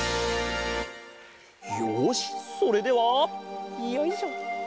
よしそれではよいしょ。